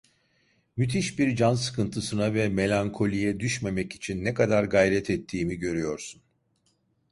Müthiş bir can sıkıntısına ve melankoliye düşmemek için ne kadar gayret ettiğimi görüyorsun.